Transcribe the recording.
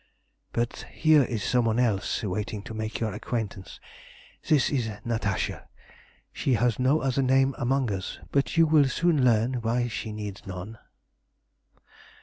"But here is some one else waiting to make your acquaintance. This is Natasha. She has no other name among us, but you will soon learn why she needs none."